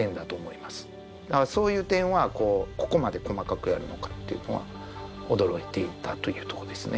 だからそういう点はここまで細かくやるのかというのは驚いていたというとこですね。